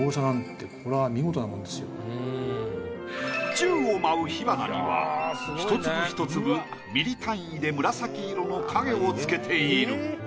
宙を舞う火花にはひと粒ひと粒ミリ単位で紫色の影をつけている。